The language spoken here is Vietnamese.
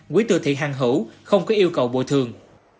quý tư thị hàng hữu không có yêu cầu bồi thường